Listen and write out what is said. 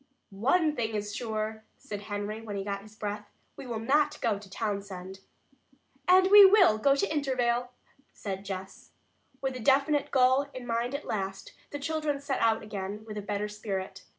"One thing is sure," said Henry, when he got his breath. "We will not go to Townsend." "And we will go to Intervale," said Jess. With a definite goal in mind at last, the children set out again with a better spirit.